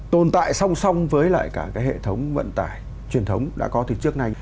tồn tại song song với lại cả cái hệ thống vận tải truyền thống đã có từ trước nay